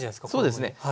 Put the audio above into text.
そうですね。